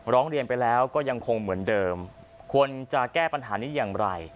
ร้องเรียนไปแล้วก็ยังคงเหมือนเดิมควรจะแก้ปัญหานี้อย่างไร